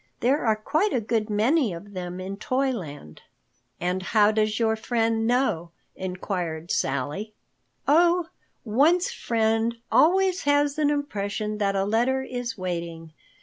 There are quite a good many of them in Toyland." "And how does your friend know?" inquired Sally. "Oh, one's friend always has an impression that a letter is waiting.